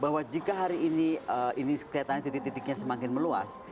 bahwa jika hari ini ini kelihatannya titik titiknya semakin meluas